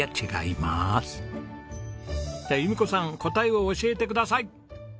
では由美子さん答えを教えてください！